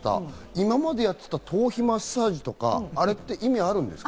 今までやっていた頭皮マッサージとか、あれって意味あるんですか？